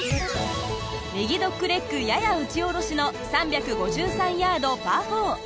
右ドッグレッグやや打ち下ろしの３５３ヤードパー４。